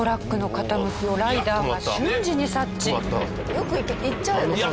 よく行っちゃうよね。